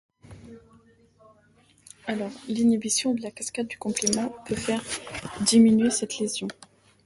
L’inhibition de la cascade du complément peut faire diminuer cette lésion.